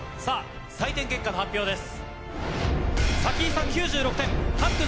採点結果の発表です。